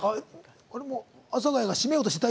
阿佐ヶ谷が今締めようとしてた？